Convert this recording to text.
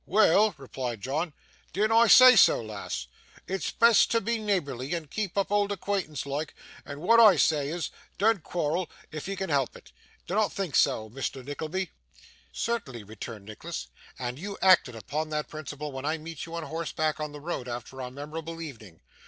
'Weel,' replied John, 'dean't I say so, lass? It's best to be neighbourly, and keep up old acquaintance loike; and what I say is, dean't quarrel if 'ee can help it. Dinnot think so, Mr. Nickleby?' 'Certainly,' returned Nicholas; 'and you acted upon that principle when I meet you on horseback on the road, after our memorable evening.